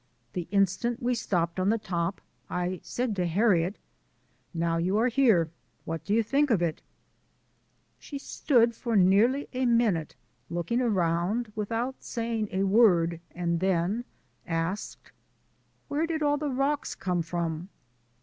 The instant we stepped on the top I said to Harriet: " Now you are here, what do you think of it ?" She stood for nearly a minute looking around without saying a word, then asked: "Where did all the rocks come from?"